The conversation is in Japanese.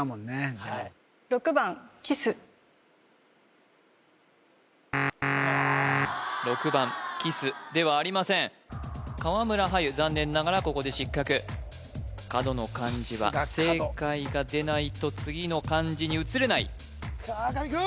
はい６番きすではありません川村はゆ残念ながらここで失格角の漢字は正解が出ないと次の漢字に移れない川上君！